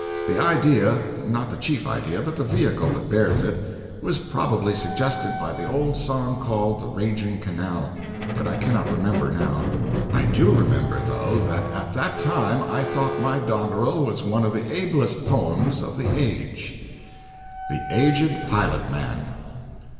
The idea (not the chief idea, but the vehicle that bears it) was probably suggested by the old song called "The Raging Canal," but I cannot remember now. I do remember, though, that at that time I thought my doggerel was one of the ablest poems of the age: THE AGED PILOT MAN.